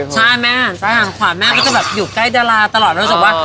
แปลงตีเลยว่าผู้ชายเลิศ